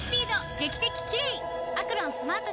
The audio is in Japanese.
劇的キレイ！